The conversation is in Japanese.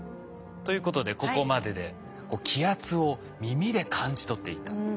ということでここまでで気圧を耳で感じ取っていた。